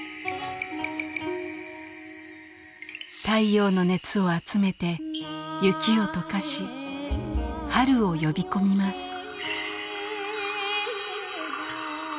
太陽の熱を集めて雪を解かし春を呼び込みます。